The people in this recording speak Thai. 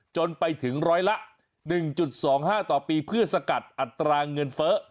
จนไปถึงร้อยละ๑๒๕ต่อปีเพื่อสกัดอัตราเงินเฟ้อ